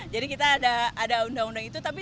jadi kita ada undang undang itu tapi